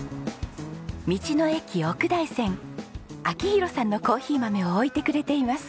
明宏さんのコーヒー豆を置いてくれています。